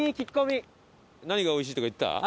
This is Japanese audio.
何がおいしいとか言ってた？